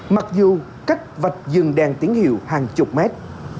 mặc dù cách vạch dừng đèn tín hiệu hàng chục mét